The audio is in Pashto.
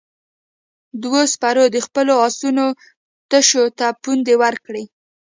دوو سپرو د خپلو آسونو تشو ته پوندې ورکړې.